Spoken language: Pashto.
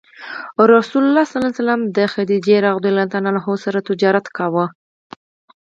رسول الله ﷺ د خدیجې رض سره تجارت کاوه.